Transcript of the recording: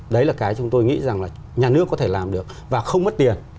đấy là cái chúng tôi nghĩ rằng là nhà nước có thể làm được và không mất tiền